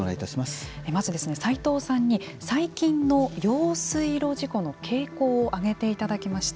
まず斎藤さんに最近の用水路事故の傾向を挙げていただきました。